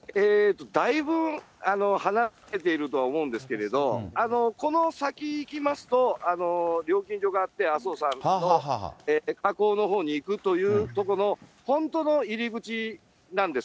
だいぶ離れているとは思うんですけれど、この先行きますと、料金所があって、阿蘇山の火口のほうに行くという所の、本当の入り口なんです。